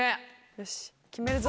よし決めるぞ。